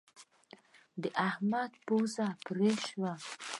د احمد پزه پرې شوه.